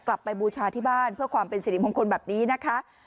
บูชาที่บ้านเพื่อความเป็นสิริมงคลแบบนี้นะคะ